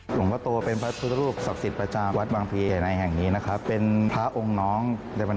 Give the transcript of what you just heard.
หลวงพ่อโตเป็นพระพุทธโรคศักดิ์ศิลประจาร